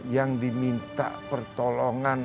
yang diminta pertolongan